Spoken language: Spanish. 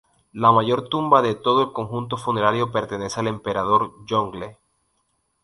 La mayor tumba de todo el conjunto funerario pertenece al emperador Yongle.